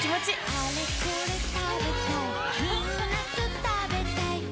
あれこれ食べたいみんなと食べたいん！